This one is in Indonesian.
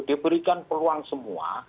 diberikan peluang semua